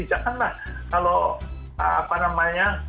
janganlah kalau apa namanya